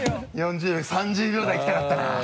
３０秒台いきたかったな